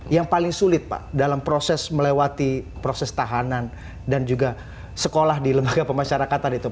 yang paling sulit pak dalam proses melewati proses tahanan dan juga sekolah di lembaga pemasyarakatan itu